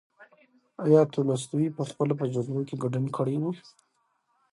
ایا تولستوی پخپله په جګړو کې ګډون کړی و؟